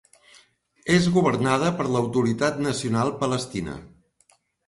És governada per l'Autoritat Nacional Palestina.